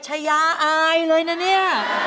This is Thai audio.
ชายาอายเลยนะเนี่ย